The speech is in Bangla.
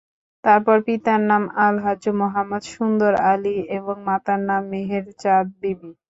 তার পিতার নাম আলহাজ্ব মোহাম্মদ সুন্দর আলী এবং মাতার নাম মেহের চাঁদ বিবি।